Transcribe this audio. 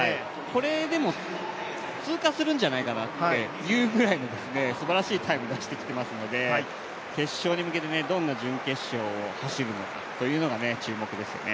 これ、でも通過するんじゃないかなというすばらしいタイム出してきてますので決勝に向けてどんな準決勝を走るのかというのが注目ですね。